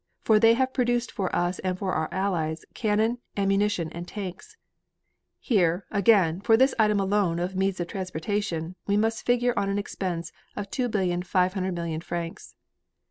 For they have produced for us and for our allies cannon, ammunition, and tanks. Here, again, for this item alone of means of transportation we must figure on an expense of 2,500,000,000 francs.